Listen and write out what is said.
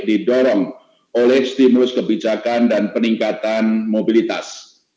didorong oleh stimulus kebijakan dan peningkatan mobilitas